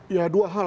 ya dua hal